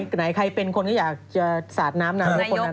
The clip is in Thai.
ในสมัยไหนใครเป็นคนก็อยากจะสัดน้ำน้ำ